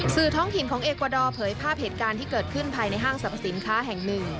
ท้องถิ่นของเอกวาดอร์เผยภาพเหตุการณ์ที่เกิดขึ้นภายในห้างสรรพสินค้าแห่งหนึ่ง